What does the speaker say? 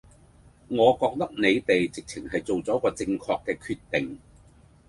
我覺得你哋直情係做咗個正確嘅決定